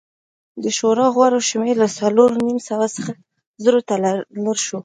د شورا غړو شمېر له څلور نیم سوه څخه زرو ته لوړ شو